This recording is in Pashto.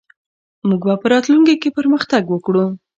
موږ به په راتلونکي کې پرمختګ وکړو.